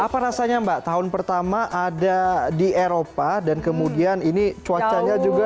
apa rasanya mbak tahun pertama ada di eropa dan kemudian ini cuacanya juga